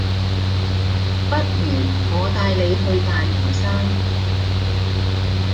不如我帶你去大嶼山